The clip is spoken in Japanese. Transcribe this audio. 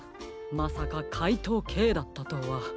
まさかかいとうＫだったとは。